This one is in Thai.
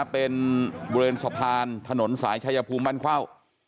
เป็นบริเวณสะพานถนนสายชายภูมิบ้านเข้า